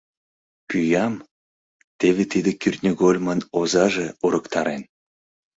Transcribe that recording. Пӱям... теве тиде кӱртньыгольмын озаже урыктарен.